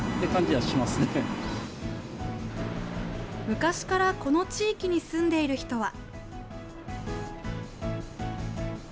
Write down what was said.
昔からこの地域に住んでいる人は。